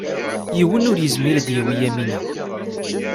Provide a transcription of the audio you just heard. Yiwen ur yezmir ad yawi Yamina.